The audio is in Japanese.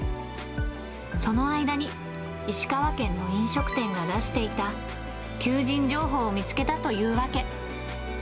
その間に、石川県の飲食店が出していた求人情報を見つけたというわけ。